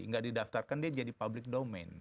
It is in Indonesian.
nggak didaftarkan dia jadi public domain